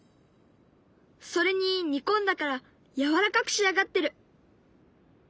それに煮込んだからやわらかく仕上がってる。